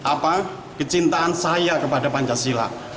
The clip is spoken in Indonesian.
ini adalah bentuk kecintaan saya kepada pancasila